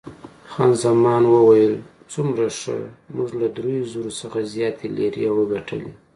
خان زمان وویل، څومره ښه، موږ له دریو زرو څخه زیاتې لیرې وګټلې.